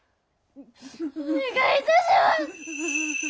お願いいたします。